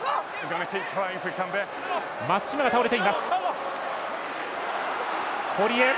松島が倒れています。